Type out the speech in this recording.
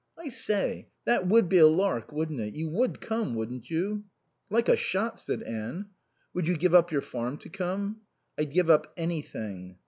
I say, that would be a lark, wouldn't it? You would come, wouldn't you?" "Like a shot," said Anne. "Would you give up your farm to come?" "I'd give up anything."